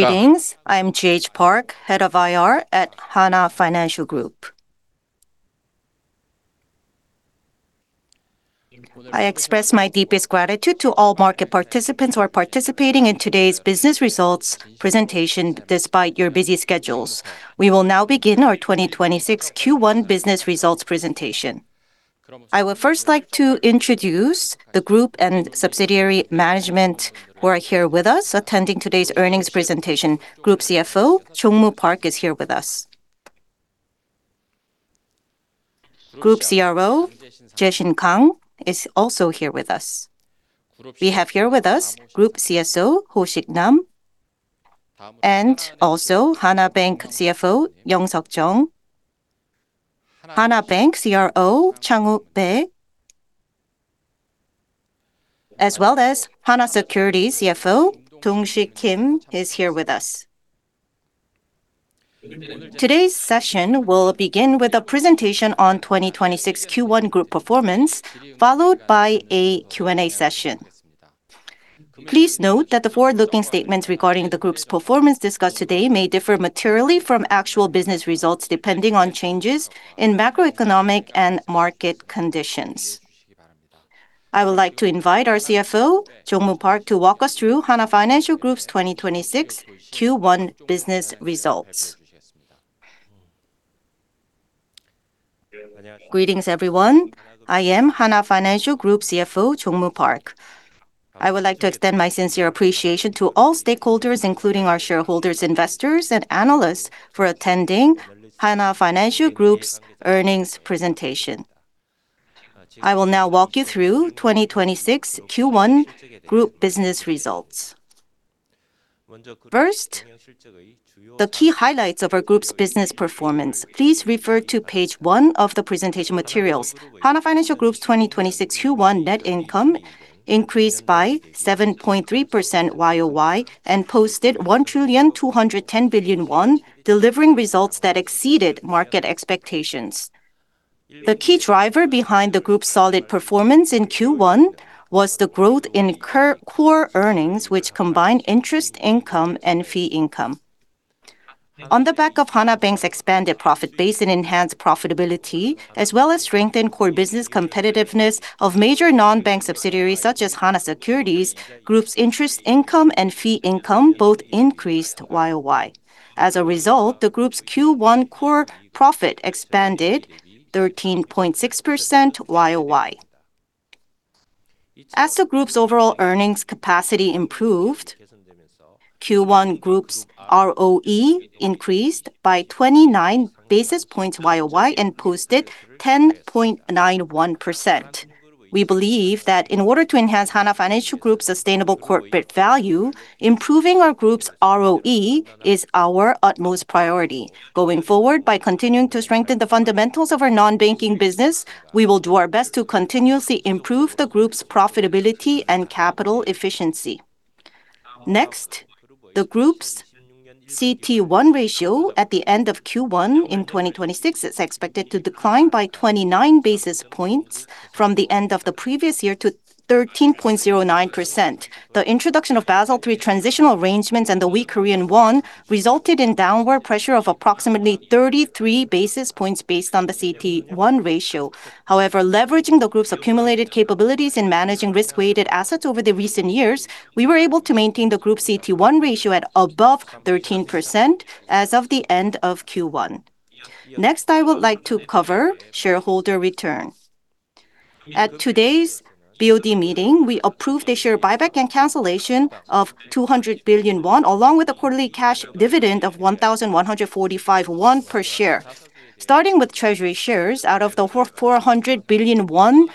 Greetings. I am G.H. Park, Head of IR at Hana Financial Group. I express my deepest gratitude to all market participants who are participating in today's business results presentation despite your busy schedules. We will now begin our 2026 Q1 business results presentation. I would first like to introduce the group and subsidiary management who are here with us attending today's earnings presentation. Group CFO, Jong-moo Park, is here with us. Group CRO, Jae-shin Kang, is also here with us. We have here with us Group CSO, Ho-sik Nam, and also Hana Bank CFO, Young Seok Jeong, Hana Bank CRO, Chang Wook Pae, as well as Hana Securities CFO, Dong-sik Kim, is here with us. Today's session will begin with a presentation on 2026 Q1 group performance, followed by a Q&A session. Please note that the forward-looking statements regarding the group's performance discussed today may differ materially from actual business results, depending on changes in macroeconomic and market conditions. I would like to invite our CFO, Jong-moo Park, to walk us through Hana Financial Group's 2026 Q1 business results. Greetings, everyone. I am Hana Financial Group CFO, Jong-moo Park. I would like to extend my sincere appreciation to all stakeholders, including our shareholders, investors, and analysts, for attending Hana Financial Group's earnings presentation. I will now walk you through 2026 Q1 group business results. First, the key highlights of our group's business performance. Please refer to page one of the presentation materials. Hana Financial Group's 2026 Q1 net income increased by 7.3% YoY and posted 1,210,000,000,000 trillion won, delivering results that exceeded market expectations. The key driver behind the group's solid performance in Q1 was the growth in core earnings, which combined interest income and fee income. On the back of Hana Bank's expanded profit base and enhanced profitability, as well as strengthened core business competitiveness of major non-bank subsidiaries such as Hana Securities, group's interest income and fee income both increased YoY. As a result, the group's Q1 core profit expanded 13.6% YoY. As the group's overall earnings capacity improved, Q1 group's ROE increased by 29 basis points YoY and posted 10.91%. We believe that in order to enhance Hana Financial Group's sustainable corporate value, improving our group's ROE is our utmost priority. Going forward, by continuing to strengthen the fundamentals of our non-banking business, we will do our best to continuously improve the group's profitability and capital efficiency. Next, the group's CET1 ratio at the end of Q1 in 2026 is expected to decline by 29 basis points from the end of the previous year to 13.09%. The introduction of Basel III transitional arrangements and the weak Korean won resulted in downward pressure of approximately 33 basis points based on the CET1 ratio. However, leveraging the group's accumulated capabilities in managing risk-weighted assets over the recent years, we were able to maintain the group's CET1 ratio at above 13% as of the end of Q1. Next, I would like to cover shareholder return. At today's BOD meeting, we approved a share buyback and cancellation of 200 billion won, along with a quarterly cash dividend of 1,145 won per share. Starting with treasury shares, out of the 400 billion won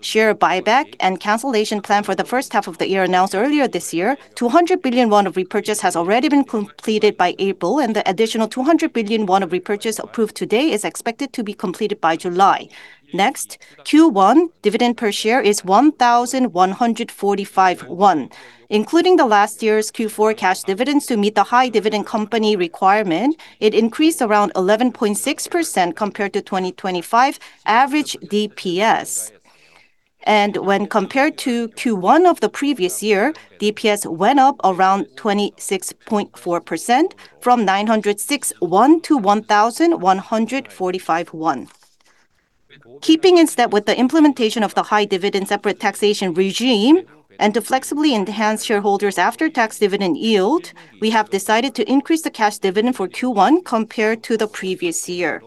share buyback and cancellation plan for the first half of the year announced earlier this year, 200 billion won of repurchase has already been completed by April, and the additional 200 billion won of repurchase approved today is expected to be completed by July. Next, Q1 dividend per share is 1,145 won. Including the last year's Q4 cash dividends to meet the high dividend company requirement, it increased around 11.6% compared to 2025 average DPS. When compared to Q1 of the previous year, DPS went up around 26.4%, from 906 won to 1,145 won. Keeping in step with the implementation of the high dividend separate taxation regime and to flexibly enhance shareholders' after-tax dividend yield, we have decided to increase the cash dividend for Q1 compared to the previous year.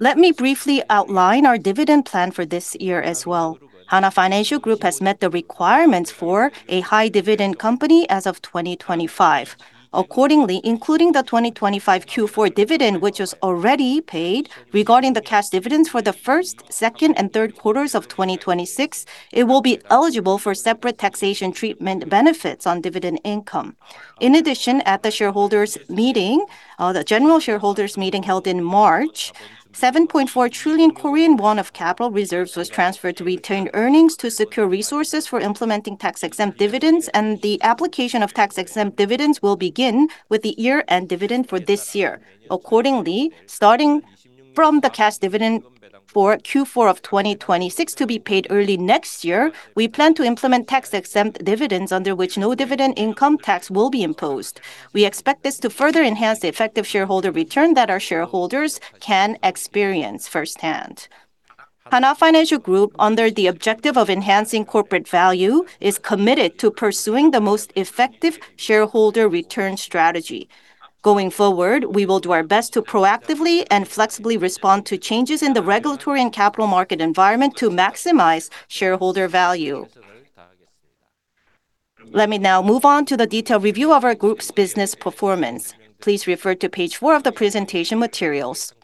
Let me briefly outline our dividend plan for this year as well. Hana Financial Group has met the requirements for a high dividend company as of 2025. Accordingly, including the 2025 Q4 dividend, which was already paid regarding the cash dividends for the first, second, and third quarters of 2026, it will be eligible for separate taxation treatment benefits on dividend income. In addition, at the shareholders' meeting, the general shareholders' meeting held in March, 7.4 trillion Korean won of capital reserves was transferred to retained earnings to secure resources for implementing tax-exempt dividends, and the application of tax-exempt dividends will begin with the year-end dividend for this year. Accordingly, starting from the cash dividend. For Q4 of 2026 to be paid early next year, we plan to implement tax-exempt dividends under which no dividend income tax will be imposed. We expect this to further enhance the effective shareholder return that our shareholders can experience firsthand. Hana Financial Group, under the objective of enhancing corporate value, is committed to pursuing the most effective shareholder return strategy. Going forward, we will do our best to proactively and flexibly respond to changes in the regulatory and capital market environment to maximize shareholder value. Let me now move on to the detailed review of our group's business performance. Please refer to page four of the presentation materials.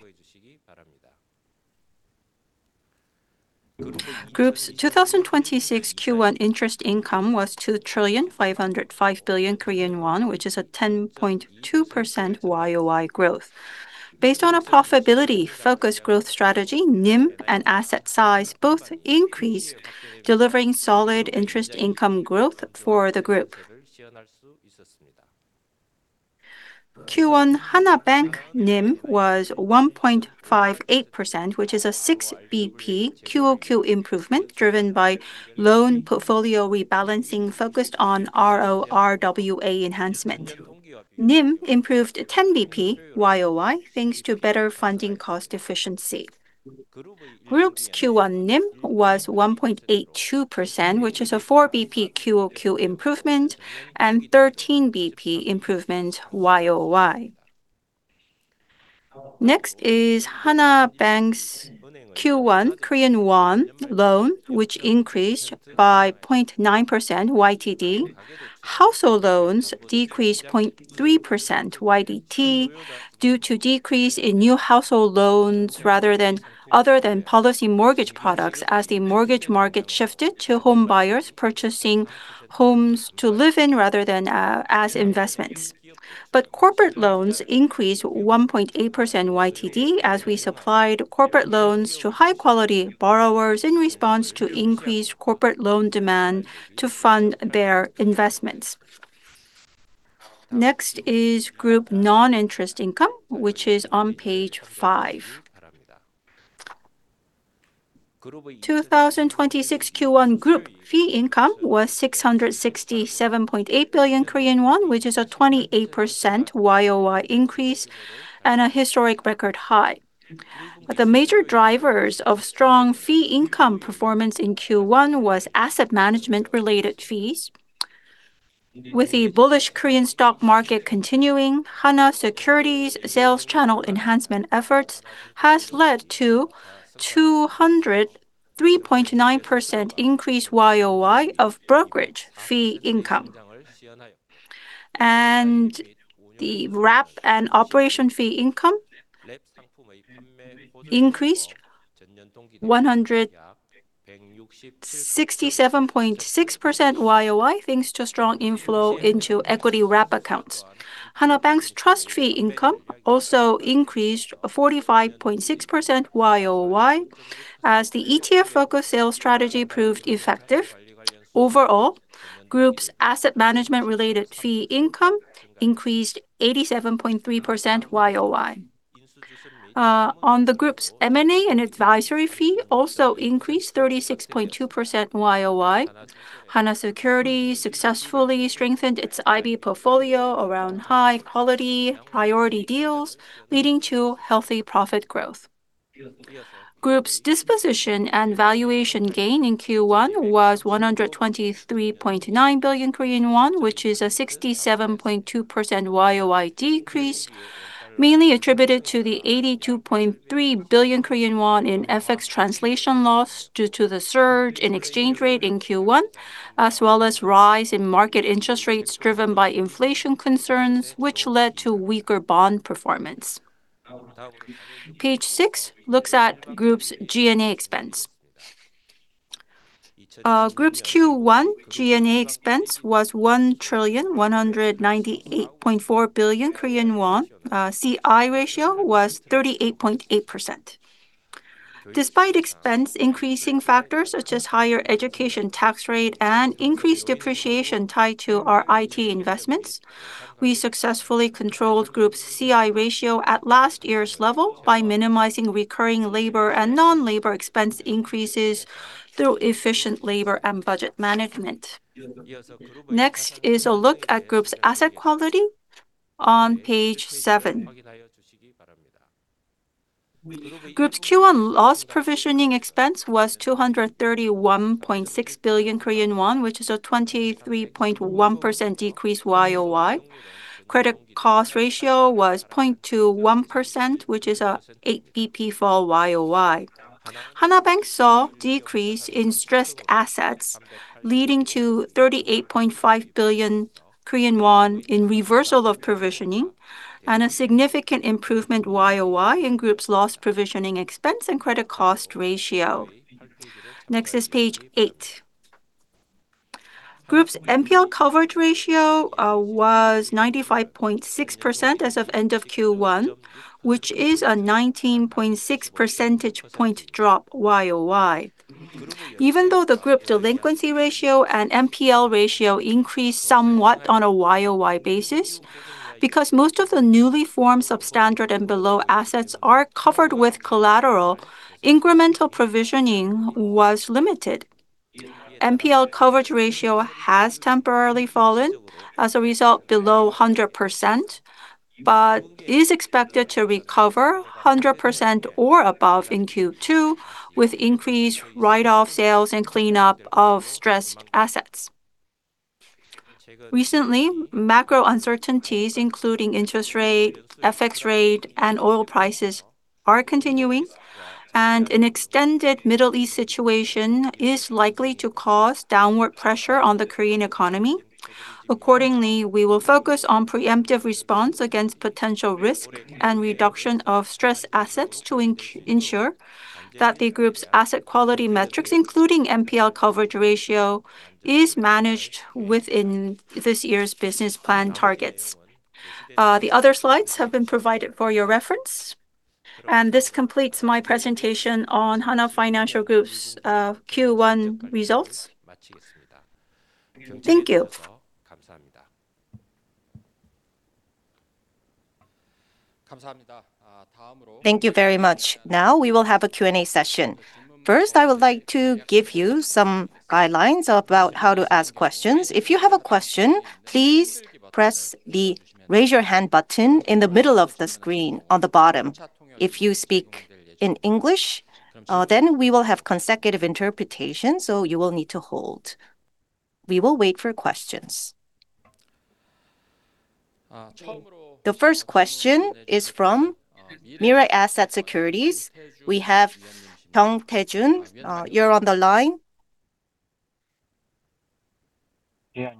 Group's 2026 Q1 interest income was 2,505,000,000,000 trillion, which is a 10.2% YoY growth. Based on a profitability focused growth strategy, NIM and asset size both increased, delivering solid interest income growth for the group. Q1 Hana Bank NIM was 1.58%, which is a 6 BP QoQ improvement, driven by loan portfolio rebalancing, focused on RORWA enhancement. NIM improved 10 basis points YoY, thanks to better funding cost efficiency. Group's Q1 NIM was 1.82%, which is a 4 BP QoQ improvement and 13 BP improvement YoY. Next is Hana Bank's Q1 Korean won loan, which increased by 0.9% YTD. Household loans decreased 0.3% YTD due to decrease in new household loans other than policy mortgage products as the mortgage market shifted to home buyers purchasing homes to live in rather than as investments. Corporate loans increased 1.8% YTD as we supplied corporate loans to high-quality borrowers in response to increased corporate loan demand to fund their investments. Next is group non-interest income, which is on page five. 2026 Q1 group fee income was 667.8 billion Korean won, which is a 28% YoY increase and a historic record high. The major drivers of strong fee income performance in Q1 was asset management related fees. With the bullish Korean stock market continuing, Hana Securities sales channel enhancement efforts has led to 203.9% increase YoY of brokerage fee income. The wrap and operation fee income increased 167.6% YoY, thanks to a strong inflow into equity wrap accounts. Hana Bank's trust fee income also increased 45.6% YoY as the ETF focus sales strategy proved effective. Overall, group's asset management related fee income increased 87.3% YoY. On the group's M&A and advisory fee also increased 36.2% YoY. Hana Securities successfully strengthened its IB portfolio around high-quality priority deals, leading to healthy profit growth. Group's disposition and valuation gain in Q1 was 123.9 billion Korean won, which is a 67.2% YoY decrease, mainly attributed to the 82.3 billion Korean won in FX translation loss due to the surge in exchange rate in Q1, as well as rise in market interest rates driven by inflation concerns, which led to weaker bond performance. Page six looks at group's G&A expense. Group's Q1 G&A expense was 1,198,400,000,000 trillion. C/I ratio was 38.8%. Despite expense increasing factors such as higher education tax rate and increased depreciation tied to our IT investments, we successfully controlled group's C/I ratio at last year's level by minimizing recurring labor and non-labor expense increases through efficient labor and budget management. Next is a look at group's asset quality on page seven. Group's Q1 loss provision expense was 231.6 billion Korean won, which is a 23.1% decrease YoY. Credit cost ratio was 0.21%, which is an 8 BP fall YoY. Hana Bank saw decrease in stressed assets leading to 38.5 billion Korean won in reversal of provisioning and a significant improvement YoY in group's loss provision expense and credit cost ratio. Next is page eight. Group's NPL coverage ratio was 95.6% as of end of Q1, which is a 19.6 percentage point drop YoY. Even though the group delinquency ratio and NPL ratio increased somewhat on a YoY basis, because most of the newly formed substandard and below assets are covered with collateral, incremental provisioning was limited. NPL coverage ratio has temporarily fallen as a result below 100%, but is expected to recover 100% or above in Q2 with increased write-off sales and cleanup of stressed assets. Recently, macro uncertainties, including interest rate, FX rate, and oil prices are continuing, and an extended Middle East situation is likely to cause downward pressure on the Korean economy. Accordingly, we will focus on preemptive response against potential risk and reduction of stressed assets to ensure that the group's asset quality metrics, including NPL coverage ratio, is managed within this year's business plan targets. The other slides have been provided for your reference, and this completes my presentation on Hana Financial Group's Q1 results. Thank you. Thank you very much. Now, we will have a Q&A session. First, I would like to give you some guidelines about how to ask questions. If you have a question, please press the Raise Your Hand button in the middle of the screen on the bottom. If you speak in English, then we will have consecutive interpretation, so you will need to hold. We will wait for questions. The first question is from Mirae Asset Securities. We have Tae Joon Jeong. You're on the line. Yeah.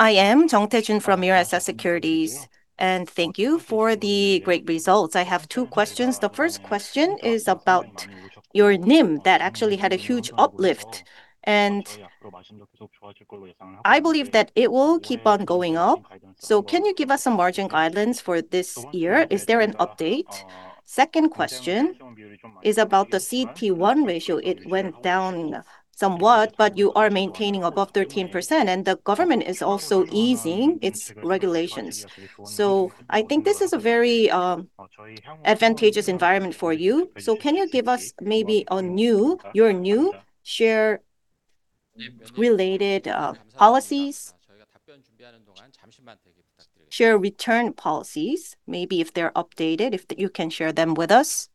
I am Tae Joon Jeong from Mirae Asset Securities, and thank you for the great results. I have two questions. The first question is about your NIM that actually had a huge uplift, and I believe that it will keep on going up. Can you give us some margin guidance for this year? Is there an update? Second question is about the CET1 ratio. It went down somewhat, but you are maintaining above 13%, and the government is also easing its regulations, so I think this is a very advantageous environment for you. Can you give us maybe your new share related policies, share return policies, maybe if they're updated, if you can share them with us?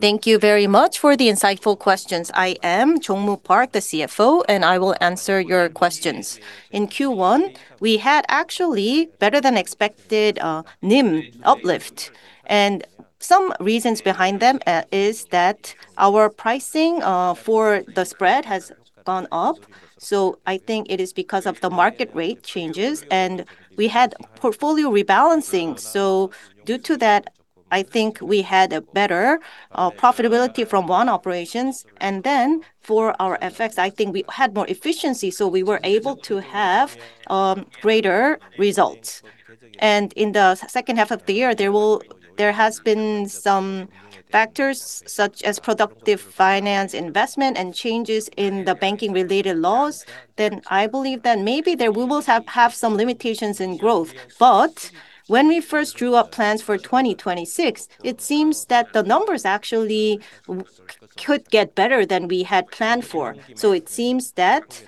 Thank you very much for the insightful questions. I am Jong-moo Park, the CFO, and I will answer your questions. In Q1, we had actually better than expected NIM uplift, and some reasons behind them is that our pricing for the spread has gone up. I think it is because of the market rate changes. We had portfolio rebalancing. Due to that, I think we had a better profitability from our operations. For our efforts, I think we had more efficiency, so we were able to have greater results. In the second half of the year, there has been some factors such as project finance investment and changes in the banking-related laws. I believe that maybe we will have some limitations in growth. When we first drew up plans for 2026, it seems that the numbers actually could get better than we had planned for. It seems that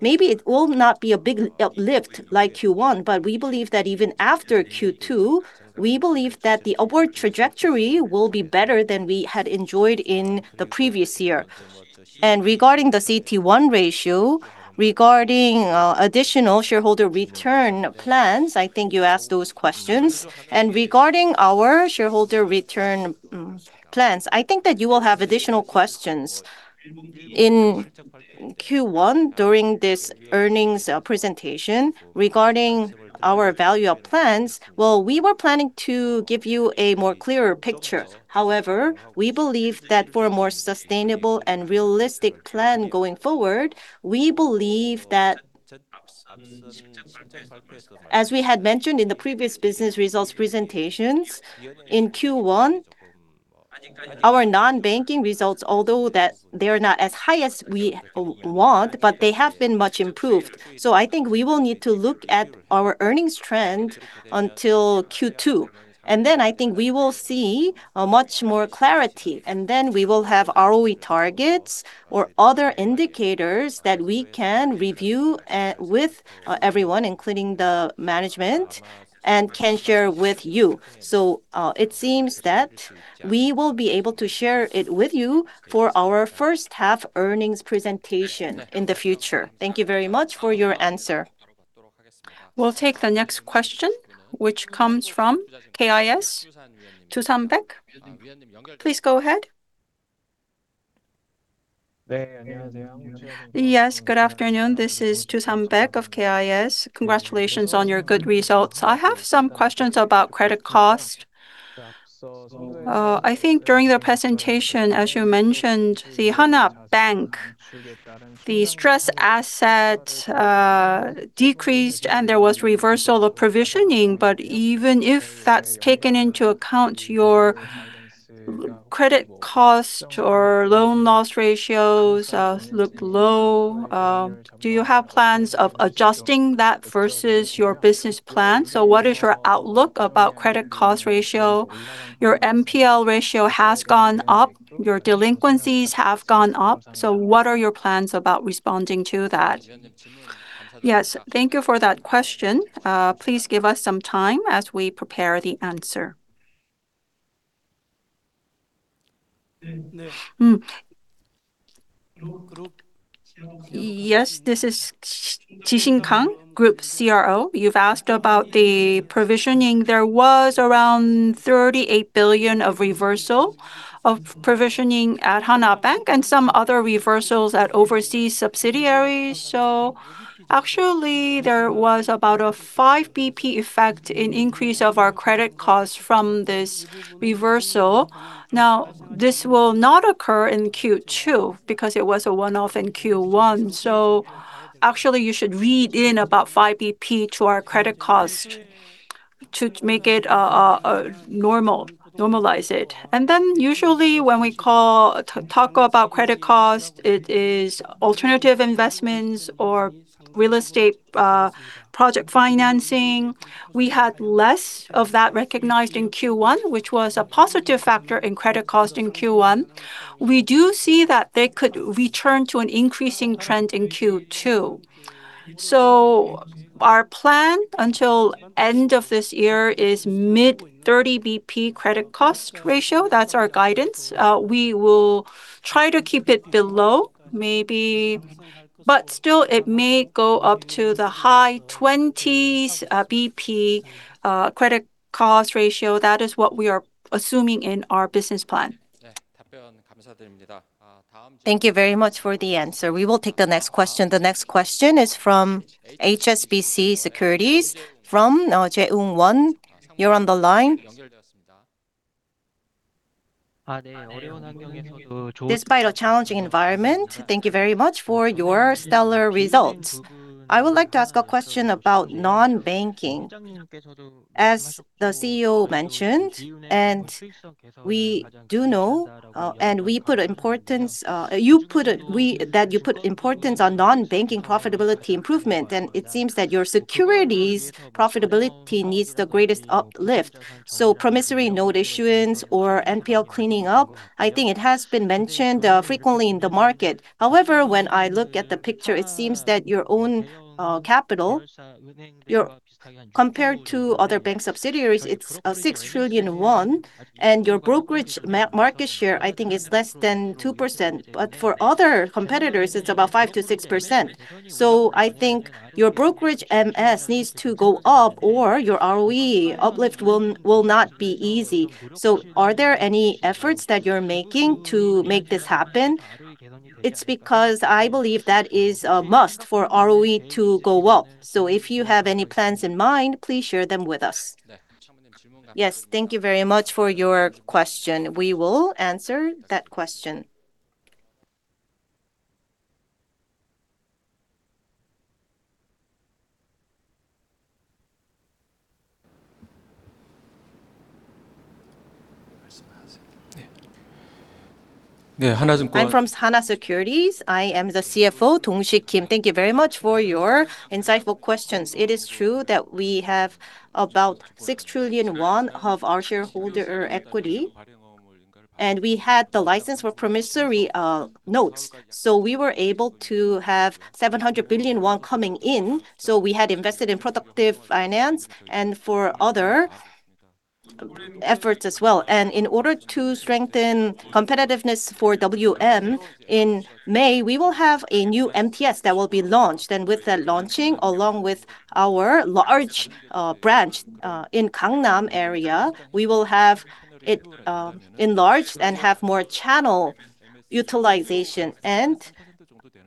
maybe it will not be a big uplift like Q1, but we believe that even after Q2, the upward trajectory will be better than we had enjoyed in the previous year. Regarding the CET1 ratio, regarding additional shareholder return plans, I think you asked those questions. Regarding our shareholder return plans, I think that you will have additional questions. In Q1, during this earnings presentation, regarding our value-up plans, well, we were planning to give you a more clearer picture. However, we believe that for a more sustainable and realistic plan going forward, we believe that, as we had mentioned in the previous business results presentations, in Q1, our non-banking results, although that they are not as high as we want, but they have been much improved. I think we will need to look at our earnings trend until Q2, and then I think we will see much more clarity, and then we will have ROE targets or other indicators that we can review with everyone, including the management, and can share with you. It seems that we will be able to share it with you for our first half earnings presentation in the future. Thank you very much for your answer. We'll take the next question, which comes from KIS, Doosan Baek. Please go ahead. Yes. Good afternoon. This is Doosan Baek of KIS. Congratulations on your good results. I have some questions about credit cost. I think during the presentation, as you mentioned, the Hana Bank, the stressed assets decreased, and there was reversal of provisioning. Even if that's taken into account, your credit costs or loan loss ratios look low. Do you have plans of adjusting that versus your business plan? What is your outlook about credit cost ratio? Your NPL ratio has gone up, your delinquencies have gone up. What are your plans about responding to that? Yes. Thank you for that question. Please give us some time as we prepare the answer. Yes, this is Jae-shin Kang, Group CRO. You've asked about the provisioning. There was around 38 billion of reversal of provisioning at Hana Bank and some other reversals at overseas subsidiaries. Actually there was about a 5 BP effect in increase of our credit costs from this reversal. Now, this will not occur in Q2 because it was a one-off in Q1, so actually you should read in about 5 BP to our credit cost to make it normal, normalize it. Usually when we talk about credit cost, it is alternative investments or real estate project financing. We had less of that recognized in Q1, which was a positive factor in credit cost in Q1. We do see that they could return to an increasing trend in Q2. Our plan until end of this year is mid-30 BP credit cost ratio. That's our guidance. We will try to keep it below, maybe, but still it may go up to the high 20s BP credit cost ratio. That is what we are assuming in our business plan. Thank you very much for the answer. We will take the next question. The next question is from HSBC Securities from Jae Woong Won. You're on the line. Despite a challenging environment, thank you very much for your stellar results. I would like to ask a question about non-banking. As the CEO mentioned, and we do know, and that you put importance on non-banking profitability improvement, and it seems that your securities profitability needs the greatest uplift. Promissory note issuance or NPL cleaning up, I think it has been mentioned frequently in the market. However, when I look at the picture, it seems that your own capital, compared to other bank subsidiaries, it's 6 trillion won. Your brokerage market share, I think is less than 2%, but for other competitors it's about 5%-6%. I think your brokerage MS needs to go up or your ROE uplift will not be easy. Are there any efforts that you're making to make this happen? It's because I believe that is a must for ROE to go up. If you have any plans in mind, please share them with us. Yes. Thank you very much for your question. We will answer that question. I'm from Hana Securities. I am the CFO, Dong-sik Kim. Thank you very much for your insightful questions. It is true that we have about 6 trillion won of our shareholder equity, and we had the license for promissory notes, so we were able to have 700 billion won coming in. We had invested in productive finance and for other efforts as well. In order to strengthen competitiveness for WM in May, we will have a new MTS that will be launched. With that launching, along with our large branch in Gangnam area, we will have it enlarged and have more channel utilization.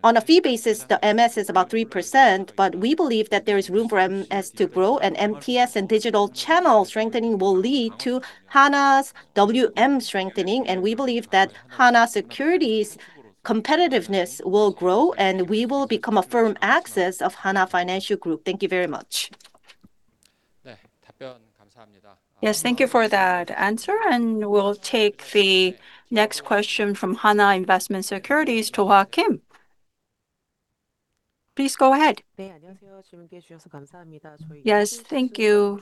On a fee basis, the MS is about 3%, but we believe that there is room for MS to grow, and MTS and digital channel strengthening will lead to Hana's WM strengthening. We believe that Hana Securities's competitiveness will grow, and we will become a firm asset of Hana Financial Group. Thank you very much. Yes. Thank you for that answer, and we'll take the next question from Hanwha Investment Securities, Do-ha Kim. Please go ahead. Yes. Thank you.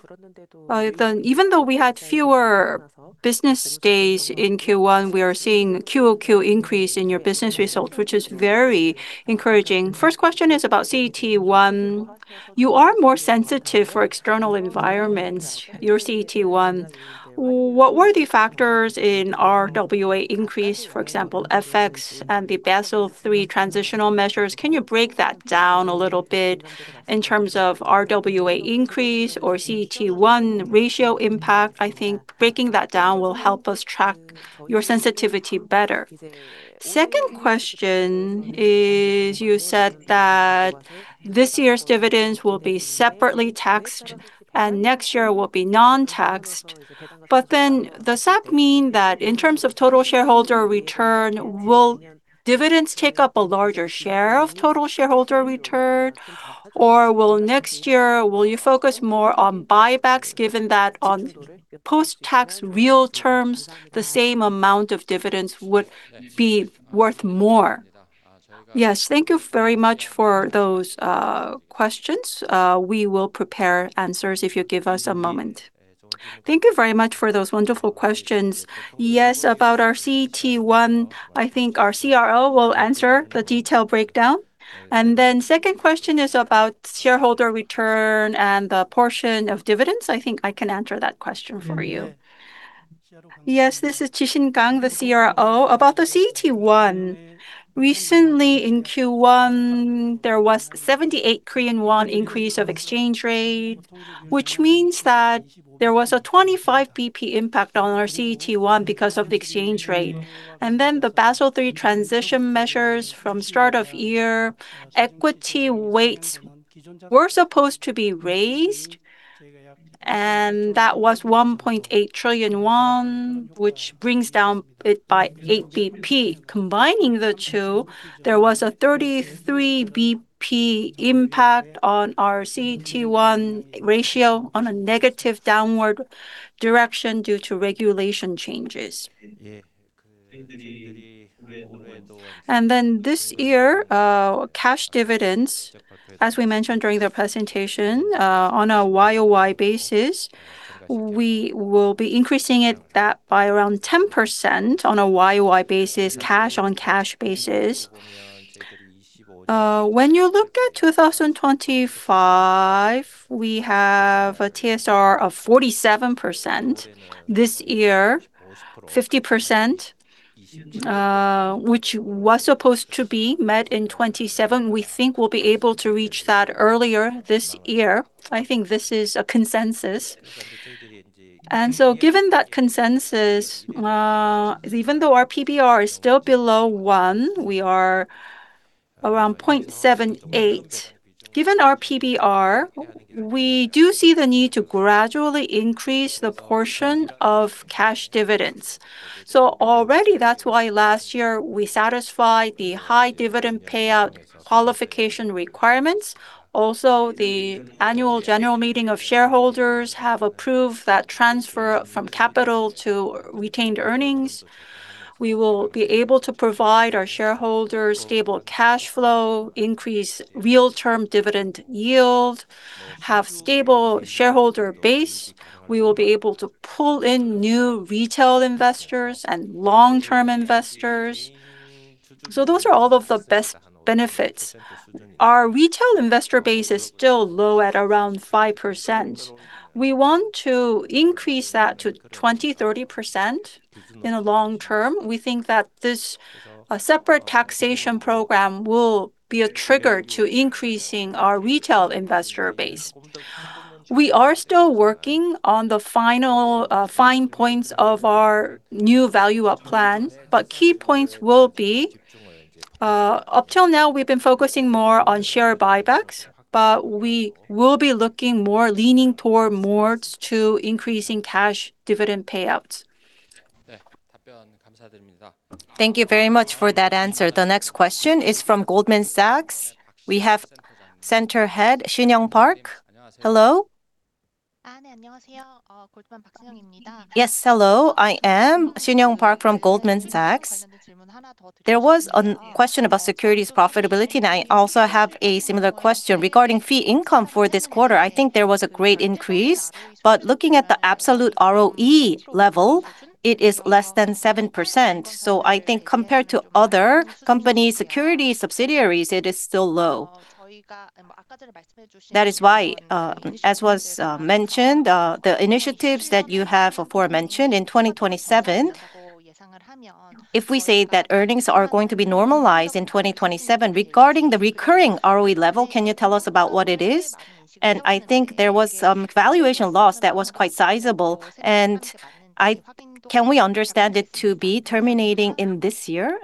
Even though we had fewer business days in Q1, we are seeing QoQ increase in your business results, which is very encouraging. First question is about CET1. You are more sensitive to external environments, your CET1. What were the factors in RWA increase, for example, FX and the Basel III transitional measures? Can you break that down a little bit in terms of RWA increase or CET1 ratio impact? I think breaking that down will help us track your sensitivity better. Second question is, you said that this year's dividends will be separately taxed and next year will be non-taxed. Does that mean that in terms of total shareholder return, will dividends take up a larger share of total shareholder return or next year will you focus more on buybacks, given that on post-tax real terms, the same amount of dividends would be worth more? Yes, thank you very much for those questions. We will prepare answers if you give us a moment. Thank you very much for those wonderful questions. Yes, about our CET1, I think our CRO will answer the detailed breakdown. Second question is about shareholder return and the portion of dividends. I think I can answer that question for you. Yes, this is Jae-shin Kang, the CRO. About the CET1, recently in Q1, there was 78 Korean won increase of exchange rate, which means that there was a 25 BP impact on our CET1 because of the exchange rate. The Basel III transition measures from start of year, equity weights were supposed to be raised, and that was 1.8 trillion won, which brings down it by 8 BP. Combining the two, there was a 33 BP impact on our CET1 ratio on a negative downward direction due to regulation changes. This year, cash dividends, as we mentioned during the presentation, on a YoY basis, we will be increasing it that by around 10% on a YoY basis, cash on cash basis. When you look at 2025, we have a TSR of 47%. This year, 50%, which was supposed to be met in 2027, we think we'll be able to reach that earlier this year. I think this is a consensus. Given that consensus, even though our PBR is still below 1, we are around 0.78. Given our PBR, we do see the need to gradually increase the portion of cash dividends. Already that's why last year we satisfied the high dividend payout qualification requirements. Also, the annual general meeting of shareholders have approved that transfer from capital to retained earnings. We will be able to provide our shareholders stable cash flow, increase real-term dividend yield, have stable shareholder base. We will be able to pull in new retail investors and long-term investors. Those are all of the best benefits. Our retail investor base is still low at around 5%. We want to increase that to 20%-30% in the long term. We think that this separate taxation program will be a trigger to increasing our retail investor base. We are still working on the final fine points of our new value up plan, but key points will be up till now we've been focusing more on share buybacks, but we will be looking more, leaning towards more to increasing cash dividend payouts. Thank you very much for that answer. The next question is from Goldman Sachs. We have Center Head, Sinyoung Park. Hello? Yes, hello. I am Sinyoung Park from Goldman Sachs. There was a question about securities profitability, and I also have a similar question. Regarding fee income for this quarter, I think there was a great increase, but looking at the absolute ROE level, it is less than 7%. I think compared to other companies' securities subsidiaries, it is still low. That is why, as was mentioned, the initiatives that you have aforementioned in 2027, if we say that earnings are going to be normalized in 2027, regarding the recurring ROE level, can you tell us about what it is? I think there was some valuation loss that was quite sizable, and can we understand it to be terminating in this year?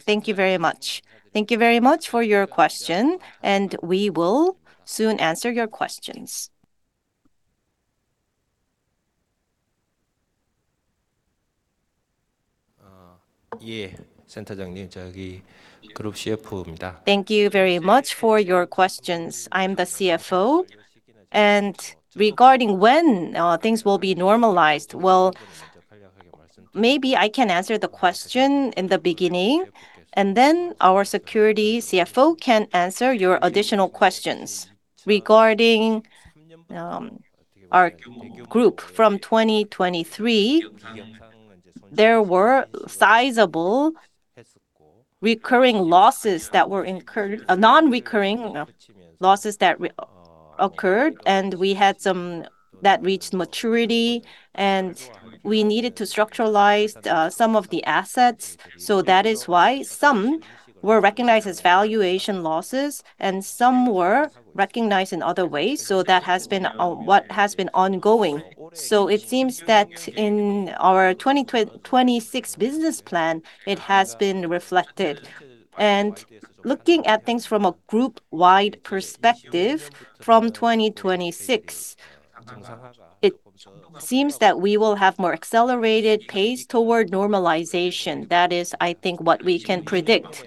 Thank you very much. Thank you very much for your question, and we will soon answer your questions. Thank you very much for your questions. I'm the CFO, and regarding when things will be normalized, well, maybe I can answer the question in the beginning, and then our securities CFO can answer your additional questions. Regarding our group from 2023, there were sizable non-recurring losses that occurred, and we had some that reached maturity, and we needed to restructure some of the assets. That is why some were recognized as valuation losses and some were recognized in other ways. That has been what has been ongoing. It seems that in our 2026 business plan, it has been reflected. Looking at things from a group-wide perspective from 2026, it seems that we will have more accelerated pace toward normalization. That is, I think, what we can predict.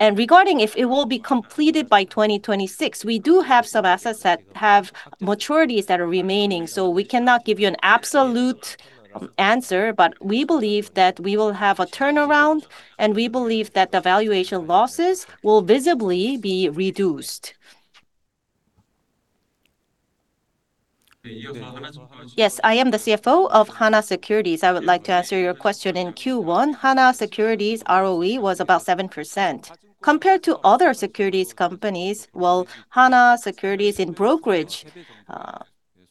Regarding if it will be completed by 2026, we do have some assets that have maturities that are remaining, so we cannot give you an absolute answer, but we believe that we will have a turnaround, and we believe that the valuation losses will visibly be reduced. Yes, I am the CFO of Hana Securities. I would like to answer your question. In Q1, Hana Securities' ROE was about 7%. Compared to other securities companies, well, Hana Securities in brokerage,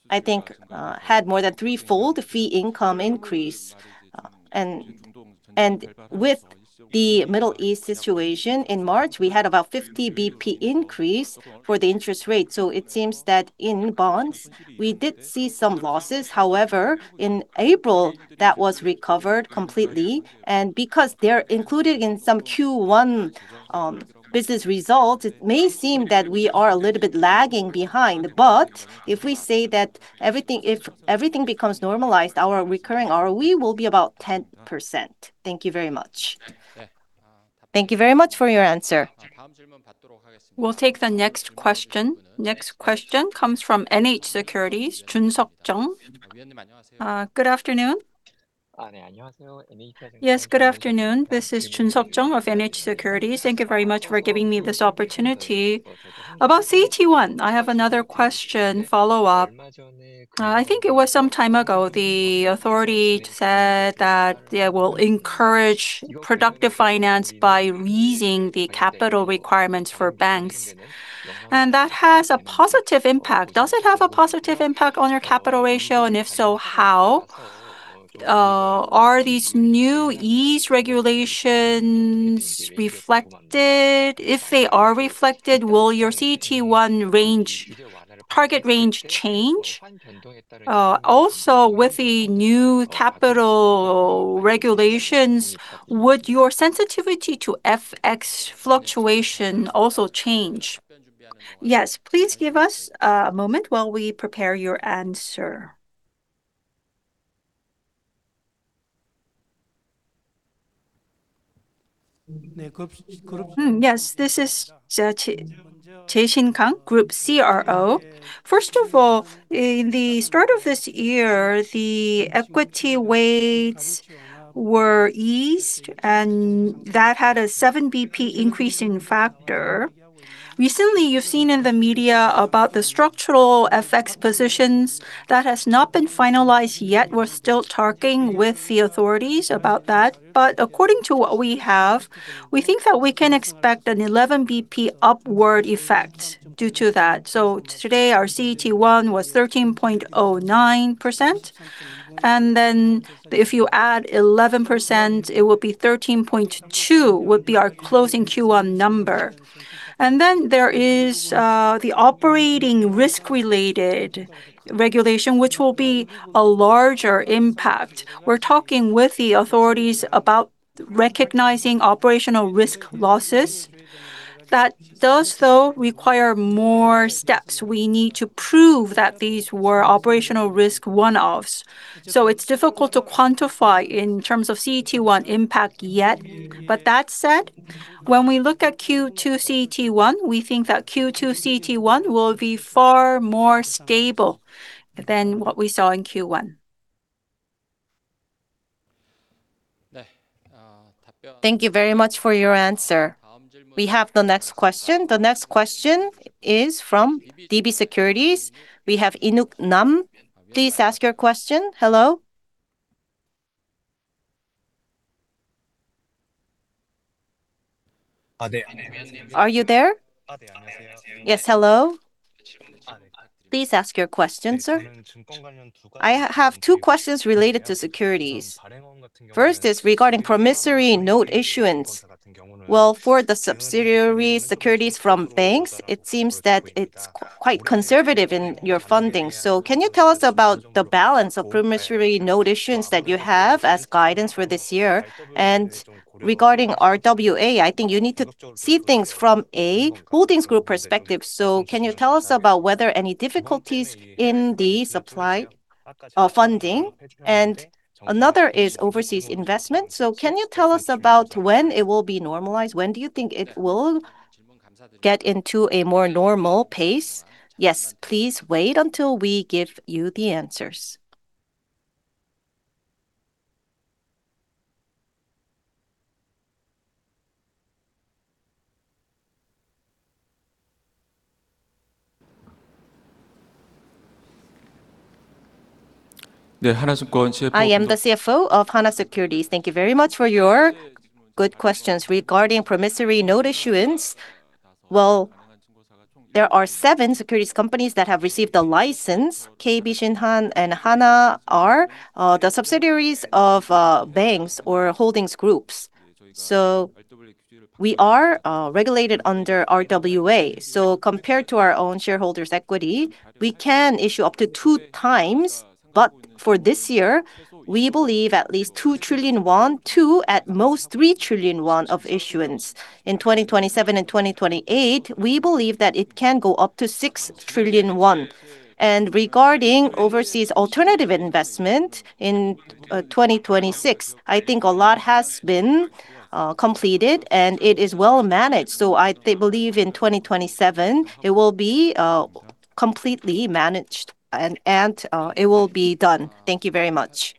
I think, had more than threefold fee income increase. With the Middle East situation in March, we had about 50 BP increase for the interest rate. It seems that in bonds we did see some losses. However, in April, that was recovered completely. Because they're included in some Q1 business results, it may seem that we are a little bit lagging behind. If we say that if everything becomes normalized, our recurring ROE will be about 10%. Thank you very much. Thank you very much for your answer. We'll take the next question. Next question comes from NH Securities, Jun-Sup Jung. Good afternoon. Yes, good afternoon. This is Jun-Sup Jung of NH Securities. Thank you very much for giving me this opportunity. About CET1, I have another follow-up question. I think it was some time ago, the authority said that they will encourage productive finance by easing the capital requirements for banks, and that has a positive impact. Does it have a positive impact on your capital ratio, and if so, how? Are these new easing regulations reflected? If they are reflected, will your CET1 target range change? Also, with the new capital regulations, would your sensitivity to FX fluctuation also change? Yes, please give us a moment while we prepare your answer. Yes, this is Jae-shin Kang, Group CRO. First of all, at the start of this year, the equity weights were eased and that had a 7 BP increase in factor. Recently, you've seen in the media about the structural FX positions. That has not been finalized yet. We're still talking with the authorities about that. According to what we have, we think that we can expect an 11 BP upward effect due to that. Today our CET1 was 13.09%, and then if you add 11%, it will be 13.2%, would be our closing Q1 number. There is the operating risk-related regulation, which will be a larger impact. We're talking with the authorities about recognizing operational risk losses. That does, though, require more steps. We need to prove that these were operational risk one-offs. It's difficult to quantify in terms of CET1 impact yet. That said, when we look at Q2 CET1, we think that Q2 CET1 will be far more stable than what we saw in Q1. Thank you very much for your answer. We have the next question. The next question is from DB Securities. We have Minwook Na. Please ask your question. Hello? Are you there? Yes, hello? Please ask your question, sir. I have two questions related to securities. First is regarding promissory note issuance. Well, for the subsidiary securities from banks, it seems that it's quite conservative in your funding. Can you tell us about the balance of promissory note issuance that you have as guidance for this year? Regarding RWA, I think you need to see things from a holdings group perspective, so can you tell us about whether any difficulties in the supply of funding? Another is overseas investment. Can you tell us about when it will be normalized? When do you think it will get into a more normal pace? Yes. Please wait until we give you the answers. I am the CFO of Hana Securities. Thank you very much for your good questions. Regarding promissory note issuance, there are seven securities companies that have received a license. KB, Shinhan, and Hana are the subsidiaries of banks or holdings groups, so we are regulated under RWA. Compared to our own shareholders' equity, we can issue up to two times. But for this year, we believe at least 2 trillion-3 trillion won of issuance. In 2027 and 2028, we believe that it can go up to 6 trillion won. Regarding overseas alternative investment in 2026, I think a lot has been completed and it is well managed. I believe in 2027 it will be completely managed, and it will be done. Thank you very much.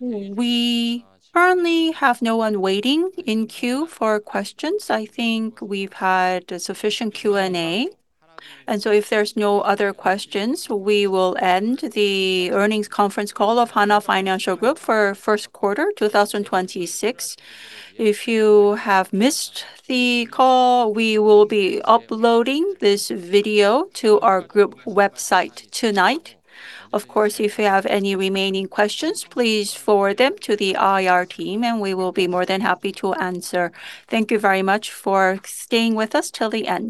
We currently have no one waiting in queue for questions. I think we've had sufficient Q&A. If there's no other questions, we will end the earnings conference call of Hana Financial Group for first quarter 2026. If you have missed the call, we will be uploading this video to our group website tonight. Of course, if you have any remaining questions, please forward them to the IR team and we will be more than happy to answer. Thank you very much for staying with us till the end.